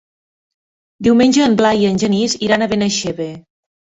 Diumenge en Blai i en Genís iran a Benaixeve.